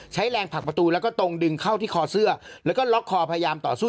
ใช้แรงผลักประตูแล้วก็ตรงดึงเข้าที่คอเสื้อแล้วก็ล็อกคอพยายามต่อสู้